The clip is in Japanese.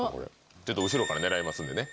ちょっと後ろから狙いますんでね。